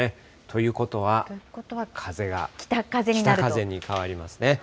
ということは、風が北風に変わりますね。